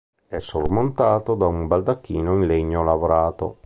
È sormontato da un baldacchino in legno lavorato.